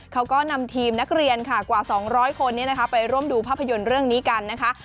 เขาก็นำทีมนักเรียนค่ะกว่า๒๐๐คนไปร่วมดูภาพยนตร์เรื่องนี้กันนะคะ